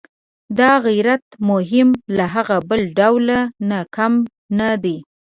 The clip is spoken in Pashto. دا غیرت مو هم له هغه بل ډول نه کم نه دی.